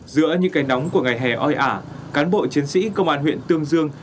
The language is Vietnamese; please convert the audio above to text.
giữa những cây nóng của ngày hè oi ả cán bộ chiến sĩ công an huyện tương dương